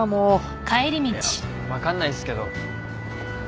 いや分かんないっすけど。